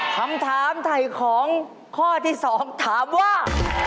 คำถามไถ่ของข้อที่๒ถามว่า